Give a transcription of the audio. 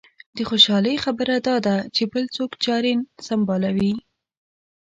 د خوشالۍ خبره دا ده چې بل څوک چارې سنبالوي.